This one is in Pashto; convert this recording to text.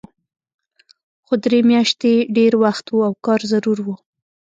خو درې میاشتې ډېر وخت و او کار ضرور و